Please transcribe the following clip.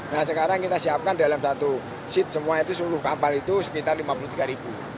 nah sekarang kita siapkan dalam satu seat semua itu seluruh kapal itu sekitar lima puluh tiga ribu